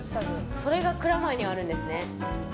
それが蔵前にあるんですね。